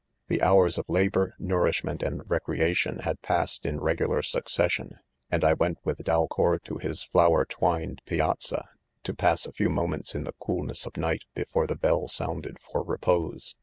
The hours of 'labour, nourishment and rec reation, had passed in regular succession,, and 1 went with Dalcour to. his flower twined pi azza, to pass a few moments in the coolness of night, before the hell sounded for repose.